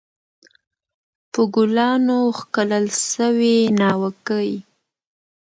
په ګلانو ښکلل سوې ناوکۍ